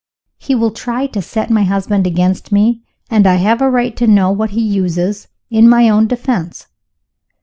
"He will try to set my husband against me; and I have a right to know what means he uses, in my own defense."